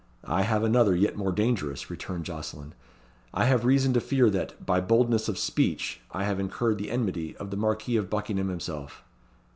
"I have another yet more dangerous," returned Jocelyn. "I have reason to fear that, by boldness of speech I have incurred the enmity of the Marquis of Buckingham himself."